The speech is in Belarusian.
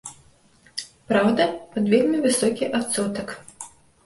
Праўда, пад вельмі высокі адсотак.